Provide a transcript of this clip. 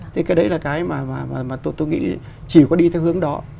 thì cái đấy là cái mà tôi nghĩ chỉ có đi theo hướng đó